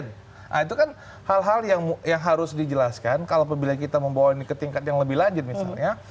nah itu kan hal hal yang harus dijelaskan kalau kita membawa ini ke tingkat yang lebih lanjut misalnya